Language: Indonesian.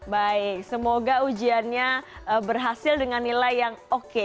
baik semoga ujiannya berhasil dengan nilai yang oke